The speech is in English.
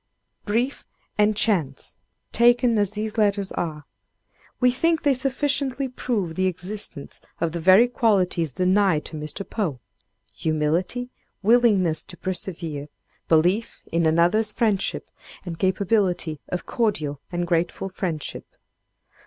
Brief and chance taken as these letters are, we think they sufficiently prove the existence of the very qualities denied to Mr. Poe humility, willingness to persevere, belief in another's friendship, and capability of cordial and grateful friendship!